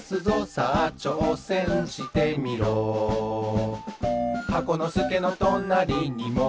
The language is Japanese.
「さあちょうせんしてみろ」「箱のすけのとなりにもうひとり？」